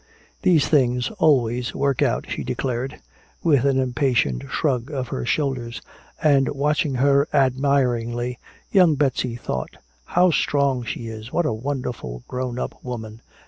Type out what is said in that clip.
"These things always work out," she declared, with an impatient shrug of her shoulders. And watching her admiringly, young Betsy thought, "How strong she is! What a wonderful grown up woman!"